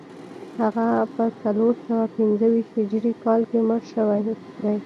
هغه په څلور سوه پنځه ویشت هجري کال کې مړ شوی دی